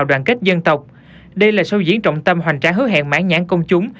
đây là sâu diễn trọng tâm hoành tráng hứa hẹn mãn nhãn công chúng